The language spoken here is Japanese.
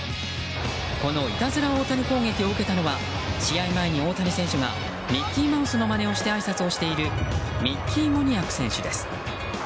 このいたずら大谷攻撃を受けたのは試合前に大谷選手がミッキーマウスのまねをしてあいさつをしているミッキー・モニアク選手です。